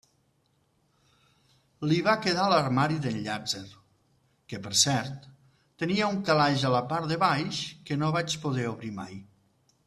Li va quedar l'armari del Llàtzer, que, per cert, tenia un calaix a la part de baix que no vaig poder obrir mai.